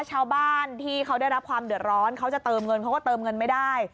ชาวบ้านที่เขาได้รับความเดือดร้อนเขาจะเติมเงินเขาก็เติมเงินไม่ได้